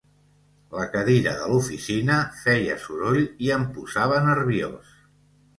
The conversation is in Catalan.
La cadira de l'oficina feia soroll i em posava nerviós